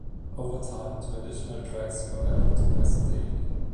Over time, two additional tracts were added to Westdale.